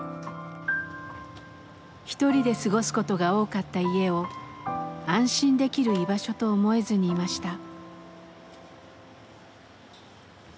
一人で過ごすことが多かった家を安心できる「居場所」と思えずにいました。